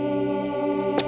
triton yang tidak kenal takut